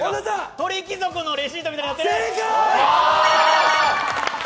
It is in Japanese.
鳥貴族のレシートみたいになってる。